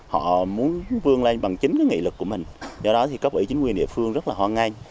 họ muốn vươn lên bằng chính cái nghị lực của mình do đó thì cấp ủy chính quyền địa phương rất là hoan nghênh